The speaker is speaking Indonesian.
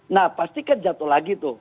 nah pasti kan jatuh lagi tuh